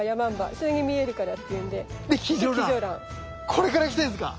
これからきてるんですか。